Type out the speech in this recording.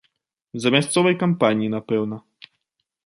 З-за мясцовай кампаніі, напэўна.